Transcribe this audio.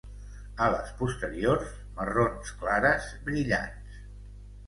Ales posteriors marrons clares brillants.